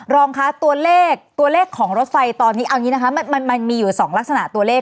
รองคะตัวเลขตัวเลขของรถไฟตอนนี้เอาอย่างนี้นะคะมันมีอยู่๒ลักษณะตัวเลข